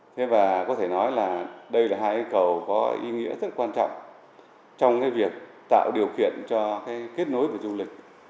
thế và có thể nói là đây là hai cái cầu có ý nghĩa rất quan trọng trong cái việc tạo điều kiện cho cái kết nối của du lịch